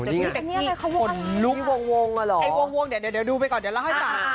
แล้วพี่เป๊กกี้คนลุกไอ้วงเดี๋ยวดูไปก่อนเดี๋ยวเล่าให้ตาม